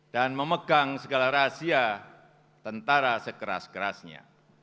memegang segala rahasia tentara sekeras kerasnya